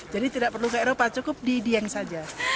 jadi tidak perlu ke eropa cukup di dieng saja